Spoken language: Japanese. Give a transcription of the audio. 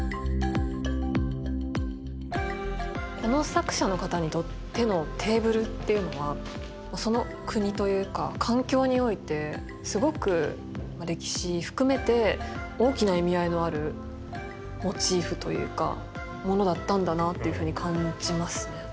この作者の方にとってのテーブルっていうのはその国というか環境においてすごく歴史含めて大きな意味合いのあるモチーフというかものだったんだなっていうふうに感じますね。